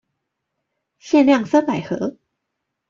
限量三百盒